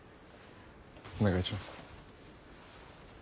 お願いします。